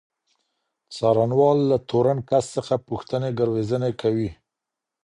څارنوال له تورن کس څخه پوښتني ګروېږنې کوي.